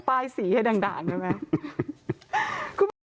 ป้ายสีให้ด่างใช่ไหม